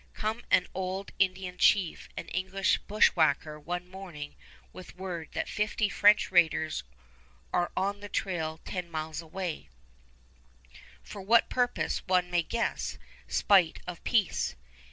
Come an old Indian chief and an English bushwhacker one morning with word that fifty French raiders are on the trail ten miles away; for what purpose one may guess, spite of peace.